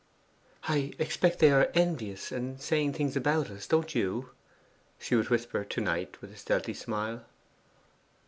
'I expect they are envious and saying things about us, don't you?' she would whisper to Knight with a stealthy smile.